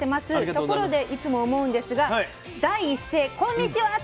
ところでいつも思うんですが第一声『こんにちは』って始めてます。